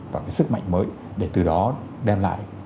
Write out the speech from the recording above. và cái sức mạnh mới để từ đó đem lại